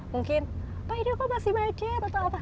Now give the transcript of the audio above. mungkin pak ini kok masih macet atau apa